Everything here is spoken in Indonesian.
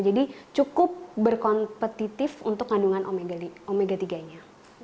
jadi cukup berkompetitif untuk kandungan omega tiga nya